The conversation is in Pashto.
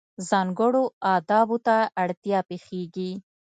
ځانګړو آدابو ته اړتیا پېښېږي.